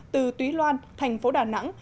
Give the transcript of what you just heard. từ túy loan thành phố đà nẵng